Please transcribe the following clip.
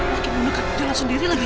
baki meneget jalan sendiri lagi